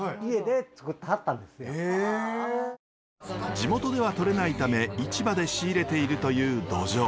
地元ではとれないため市場で仕入れているというドジョウ。